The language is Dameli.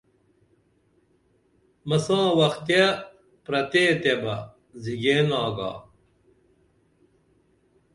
مساں وخ تیہ پرتے تیبہ زِگین آگا